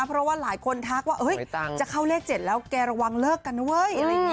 เพราะว่าหลายคนทักว่าจะเข้าเลข๗แล้วแกระวังเลิกกันนะเว้ยอะไรอย่างนี้